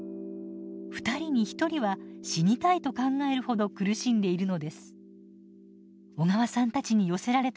２人に１人は「死にたい」と考えるほど苦しんでいるのです。